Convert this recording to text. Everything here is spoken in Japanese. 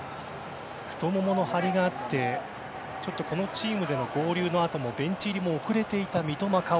太ももの張りがあってこのチームへの合流のあともベンチ入りも遅れていた三笘薫。